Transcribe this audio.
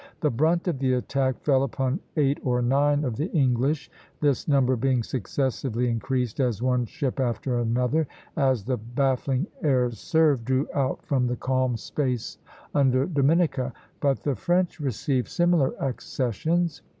The brunt of the attack fell upon eight or nine of the English, this number being successively increased as one ship after another, as the baffling airs served, drew out from the calm space under Dominica; but the French received similar accessions.